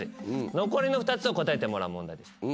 残りの２つを答えてもらう問題です。